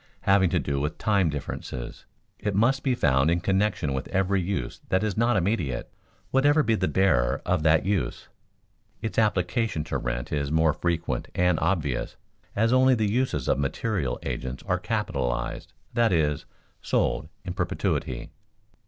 Having to do with time differences, it must be found in connection with every use that is not immediate, whatever be the bearer of that use. Its application to rent is more frequent and obvious, as only the uses of material agents are capitalized, that is, sold in perpetuity.